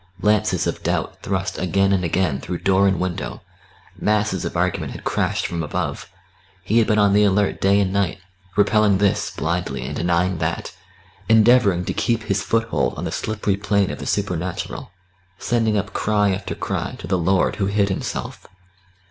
Lances of doubt thrust again and again through door and window; masses of argument had crashed from above; he had been on the alert day and night, repelling this, blindly, and denying that, endeavouring to keep his foothold on the slippery plane of the supernatural, sending up cry after cry to the Lord Who hid Himself.